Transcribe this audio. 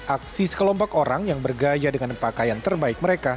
aksi sekelompok orang yang bergaya dengan pakaian terbaik mereka